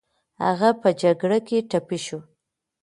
هغه په جګړه کې ټپي شو